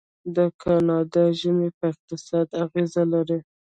د کاناډا ژمی په اقتصاد اغیز لري.